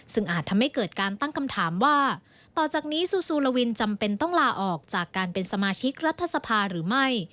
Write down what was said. ซึ่งอาจทำให้เกิดการตั้งคำถามว่าต่อจากนี้ซูซูลาวินจำเป็นต้องลาออกจากการเป็นสมาชิกรัฐสภาหรือไม่